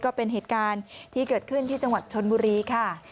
ก็เป็นเหตุการณ์ที่เกิดขึ้นที่จังหวัดชนบุรีค่ะ